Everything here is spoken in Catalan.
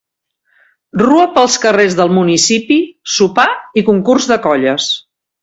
Rua pels carrers del municipi, sopar i concurs de colles.